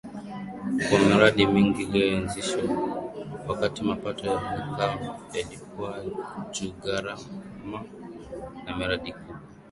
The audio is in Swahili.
kwa miradi mingi aliyoanzisha wakati mapato ya kakao yalikuwa juuGharama za miradi kubwa